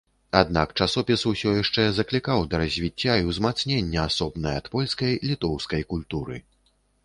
Аднак, часопіс ўсё яшчэ заклікаў да развіцця і ўзмацнення асобнай ад польскай літоўскай культуры.